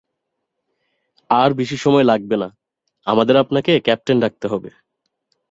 আর বেশী সময় লাগবে না আমাদের আপনাকে ক্যাপ্টেন ডাকতে হবে।